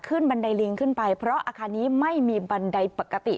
บันไดลิงขึ้นไปเพราะอาคารนี้ไม่มีบันไดปกติ